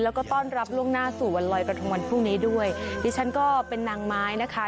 แล้วก็ต้อนรับล่วงหน้าสู่วันลอยกระทงวันพรุ่งนี้ด้วยดิฉันก็เป็นนางไม้นะคะ